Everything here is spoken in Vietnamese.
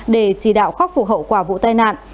để chỉ đạo khắc phục hậu quả vụ tai nạn